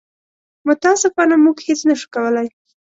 متاسفانه موږ هېڅ نه شو کولی.